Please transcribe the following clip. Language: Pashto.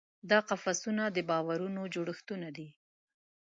دا قفسونه د باورونو جوړښتونه دي.